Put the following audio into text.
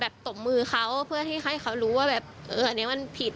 ตบมือเขาเพื่อให้เขารู้ว่าแบบเอออันนี้มันผิด